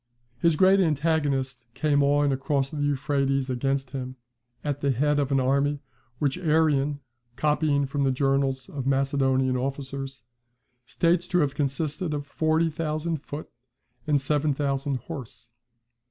] His great antagonist came on across the Euphrates against him, at the head of an army which Arrian, copying from the journals of Macedonian officers, states to have consisted of forty thousand foot, and seven thousand horse.